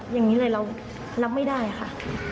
อย่างนี้เลยเรารับไม่ได้ค่ะ